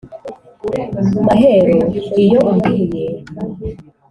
mahero iyo umbwiye